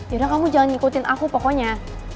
yaudah kamu jangan ngikutin aku pokoknya